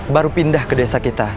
baru pindah ke desa kita